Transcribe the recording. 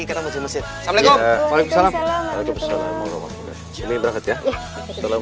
kita mesin assalamualaikum waalaikumsalam waalaikumsalam waalaikumsalam waalaikumsalam